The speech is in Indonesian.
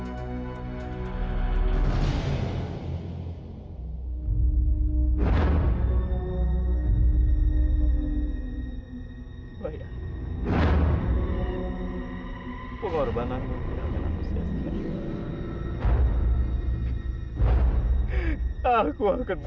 pernahkah itu mereka pernah untuk memberikan ayee kepada hoi an